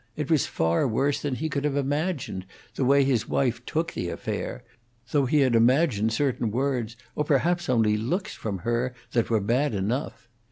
It was far worse than he could have imagined, the way his wife took the affair, though he had imagined certain words, or perhaps only looks, from her that were bad enough.